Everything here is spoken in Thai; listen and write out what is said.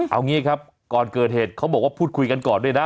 เอางี้ครับก่อนเกิดเหตุเขาบอกว่าพูดคุยกันก่อนด้วยนะ